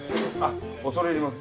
恐れ入ります。